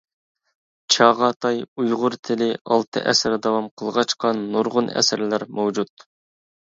چاغاتاي ئۇيغۇر تىلى ئالتە ئەسىر داۋام قىلغاچقا نۇرغۇن ئەسەرلەر مەۋجۇت.